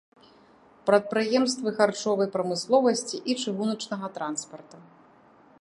Прадпрыемствы харчовай прамысловасці і чыгуначнага транспарта.